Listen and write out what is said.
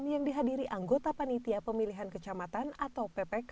yang dihadiri anggota panitia pemilihan kecamatan atau ppk